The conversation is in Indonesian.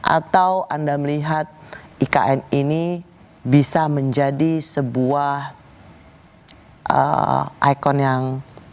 atau anda melihat ikn ini bisa menjadi sebuah ikon yang